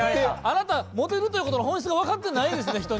あなたモテるということの本質がわかってないですね